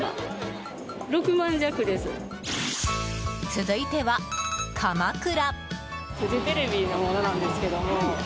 続いては、鎌倉。